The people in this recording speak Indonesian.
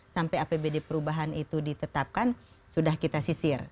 sampai apbd perubahan itu ditetapkan sudah kita sisir